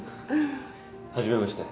初めまして。